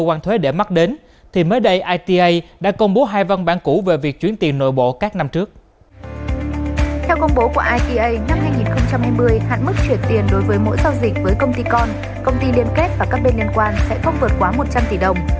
qua ita năm hai nghìn hai mươi hạn mức chuyển tiền đối với mỗi giao dịch với công ty con công ty liên kết và các bên liên quan sẽ không vượt quá một trăm linh tỷ đồng